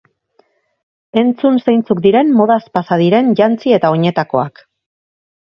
Entzun zeintzuk diren modaz pasa diren jantzi eta oinetakoak.